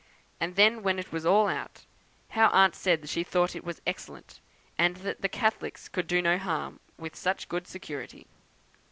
and then when it was all out, how aunt said that she thought it was excellent, and that the Catholics could do no harm with such good security!